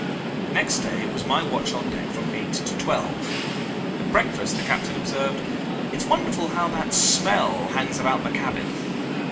"Next day it was my watch on deck from eight to twelve. At breakfast the captain observed, 'It's wonderful how that smell hangs about the cabin.